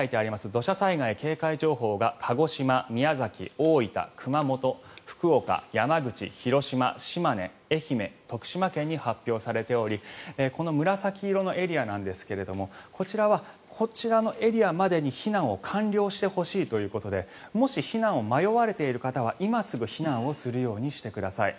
土砂災害警戒情報が鹿児島、宮崎、大分、熊本福岡、山口、広島島根、愛媛、徳島県に発表されておりこの紫色のエリアなんですがこちらはこちらのエリアまでに避難を完了してほしいということでもし避難を迷われている方は今すぐ避難をするようにしてください。